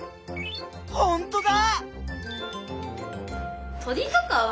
ほんとだ！